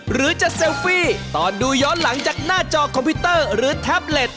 หรือจะเซลฟี่ตอนดูย้อนหลังจากหน้าจอคอมพิวเตอร์หรือแท็บเล็ต